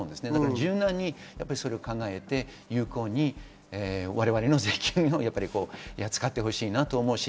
柔軟に考えて有効に我々の税金を使ってほしいなと思います。